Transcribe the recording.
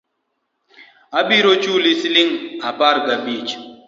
Abiro chuli siling apar ga abich